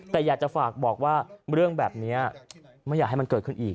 แต่อยากจะฝากบอกว่าเรื่องแบบนี้ไม่อยากให้มันเกิดขึ้นอีก